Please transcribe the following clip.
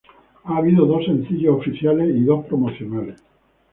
Ha habido dos sencillos oficiales y dos promocionales.